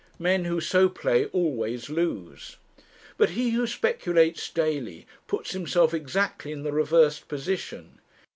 Men who so play always lose. But he who speculates daily puts himself exactly in the reversed position.